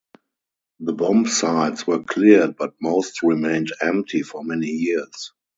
The bomb sites were cleared but most remained empty for many years.